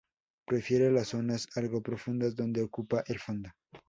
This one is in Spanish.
Prefiere las zonas algo profundas, donde ocupa el fondo.